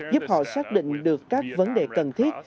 giúp họ xác định được các vấn đề cần thiết